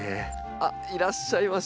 あっいらっしゃいました。